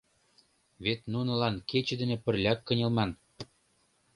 Вет нунылан кече дене пырляк кынелман.